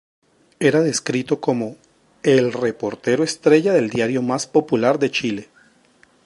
Era descrito como "el reportero estrella del diario más popular de Chile".